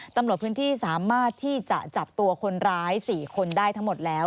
ตำรวจพื้นที่สามารถที่จะจับตัวคนร้าย๔คนได้ทั้งหมดแล้ว